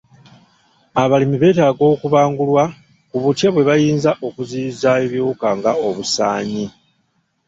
Abalimi beetaaga okubangulwa ku butya bwe bayinza okuziiyiza ebiwuka nga obusaanyi.